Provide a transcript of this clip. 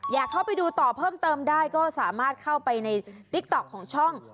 อยากเข้าไปดูต่อเพิ่มเติมได้ก็สามารถเข้าไปในติ๊กต๊อกของช่อง